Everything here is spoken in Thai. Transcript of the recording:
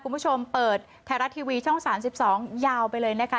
คุณผู้ชมเปิดไทยรัฐทีวีช่อง๓๒ยาวไปเลยนะคะ